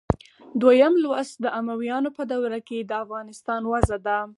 دویم لوست د امویانو په دوره کې د افغانستان وضع ده.